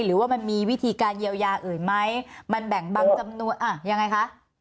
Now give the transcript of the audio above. หรือว่ามันมีวิธีการเยียวยาอื่นไหมมันแบ่งบางจำนวนอ่ะยังไงคะ